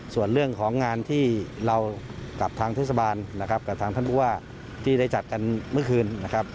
ส่วนเรื่องของงานที่เรากับทางเทศบาลนะครับกับทางท่านผู้ว่าที่ได้จัดกันเมื่อคืนนะครับ